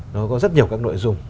nó có rất nhiều các nội dung